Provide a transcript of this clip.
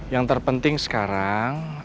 yang terpenting sekarang